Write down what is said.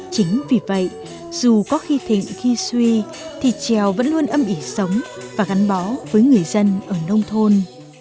chính vì vậy dù có khi thịnh khi suy thì trèo vẫn luôn âm ỉ sống và gắn bó với người dân ở nông thôn